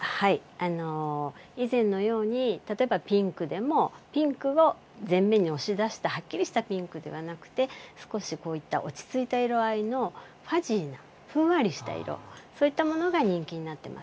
以前のように、例えばピンクでも、ピンクを前面に押し出したはっきりしたピンクではなくて、少しこういった落ち着いた色合いの、ファジーなふんわりした色、そういったものが人気になっています。